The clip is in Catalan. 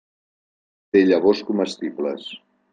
Té llavors comestibles.